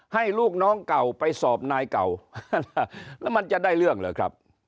ลูกน้องเก่าไปสอบนายเก่าแล้วมันจะได้เรื่องเหรอครับ